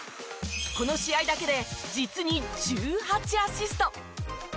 この試合だけで実に１８アシスト！